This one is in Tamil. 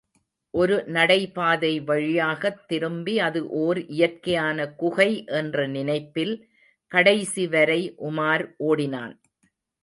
ஒரு நடைபாதை வழியாகத் திரும்பி அது ஒர் இயற்கையான குகை என்ற நினைப்பில் கடைசி வரை உமார் ஓடினான்.